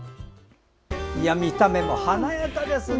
見た目も華やかですね。